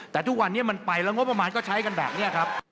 แต่ทุกวันนี้มันไปแล้วงบประมาณก็ใช้กันแบบนี้ครับ